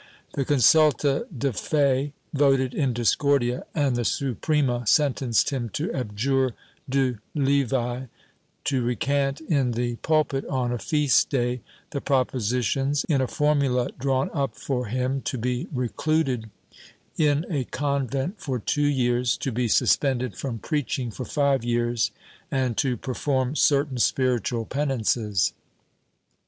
The consulta de fe voted in discordia, and the Suprema sentenced him to abjure de levi, to recant, in the pulpit on a feast day, the propositions, in a formula drawn up for him, to be recluded in a convent for two years, to be suspended from preaching for five years, and to perform certain spiritual penances.